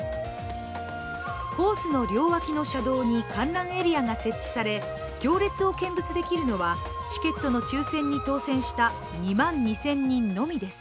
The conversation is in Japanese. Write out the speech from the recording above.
コースの両脇の車道に観覧エリアが設置され行列を見物できるのはチケットの抽選に当選した２万２０００人のみです。